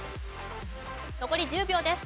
残り１０秒です。